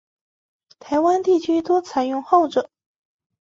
台湾地区多采用后者。